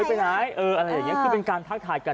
ไปไหนเอออะไรอย่างนี้คือเป็นการทักทายกัน